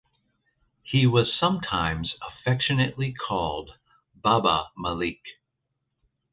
He was sometimes affectionately called Baba Malik.